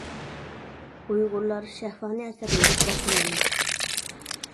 ئۇيغۇرلار شەھۋانىي ئەسەر يېزىپ باققان ئەمەس.